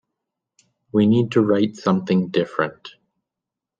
We need to write something different.